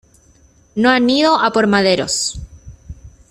no han ido a por maderos.